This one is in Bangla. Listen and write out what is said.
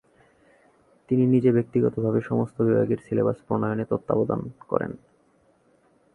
তিনি নিজে ব্যক্তিগতভাবে সমস্ত বিভাগের সিলেবাস প্রণয়নে তত্ত্বাবধান করেন।